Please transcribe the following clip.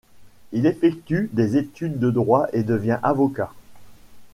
Il effectue des études de droit et devient avocat.